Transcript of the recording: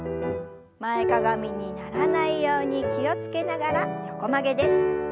前かがみにならないように気を付けながら横曲げです。